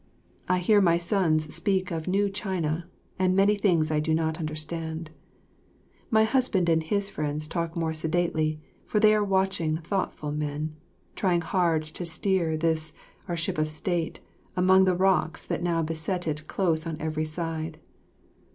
I hear my sons speak of new China, and many things I do not understand; my husband and his friends talk more sedately, for they are watching thoughtful men, trying hard to steer this, our ship of State, among the rocks that now beset it close on every side.